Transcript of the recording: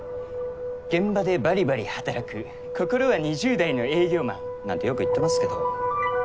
現場でばりばり働く心は２０代の営業マン！なんてよく言ってますけど。